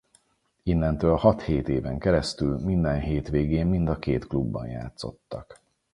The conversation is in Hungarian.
Innentől hat-hét éven keresztül minden hétvégén mind a két klubban játszottak.